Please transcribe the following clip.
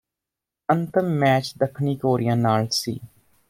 ਅੰਤਮ ਮੈਚ ਦੱਖਣੀ ਕੋਰੀਆ ਨਾਲ ਸੀ